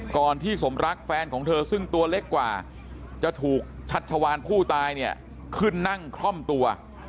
ก่อนที่สมรักแฟนของเธอซึ่งตัวเล็กกว่าจะถูกชัชวานผู้ตายเนี่ยขึ้นนั่งคล่อมตัว